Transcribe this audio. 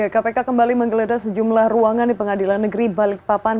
kpk kembali menggeledah sejumlah ruangan di pengadilan negeri balikpapan